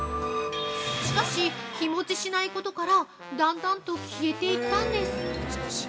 しかし日もちしないことから、だんだんと消えていったんです。